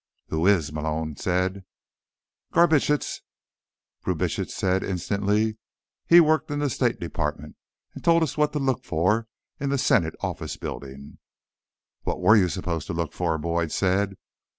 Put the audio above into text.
"Who is?" Malone said. "Garbitsch," Brubitsch said instantly. "He worked in the State Department, and he told us what to look for in the Senate Office Building." "What were you supposed to look for?" Boyd said.